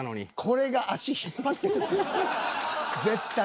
これが足引っ張ってた。